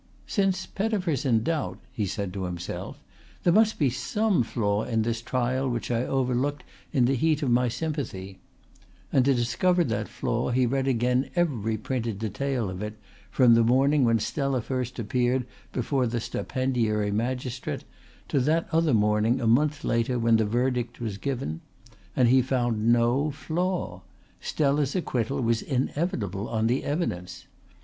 "Since Pettifer's in doubt," he said to himself, "there must be some flaw in this trial which I overlooked in the heat of my sympathy"; and to discover that flaw he read again every printed detail of it from the morning when Stella first appeared before the stipendiary magistrate to that other morning a month later when the verdict was given. And he found no flaw. Stella's acquittal was inevitable on the evidence.